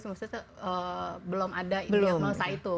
maksudnya belum ada yang melesah itu